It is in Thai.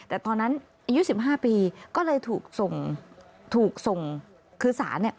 แต่ตอนนั้นอายุ๑๕ปีก็เลยถูกส่งคือสาร